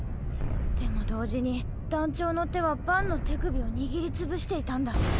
でも同時に団長の手はバンの手首を握り潰していたんだ。